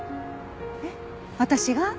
えっ私が？